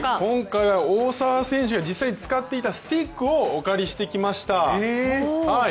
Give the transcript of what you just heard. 今回は大澤選手が実際使ってきたスティックをお借りしてきました。